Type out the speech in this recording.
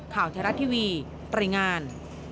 ข่าวเทราะทีวีปริงาน